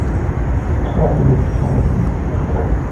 Trois thématiques sont retenues.